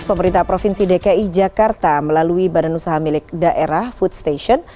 pemerintah provinsi dki jakarta melalui badan usaha milik daerah food station